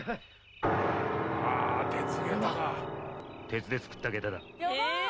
鉄で作ったげただ。